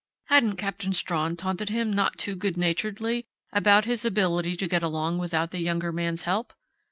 Hadn't Captain Strawn taunted him not too good naturedly about his ability to get along without the younger man's help?